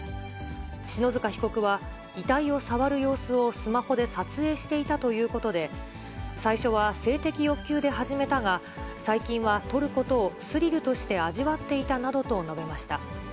篠塚被告は、遺体を触る様子をスマホで撮影していたということで、最初は性的欲求で始めたが、最近は撮ることをスリルとして味わっていたなどと述べました。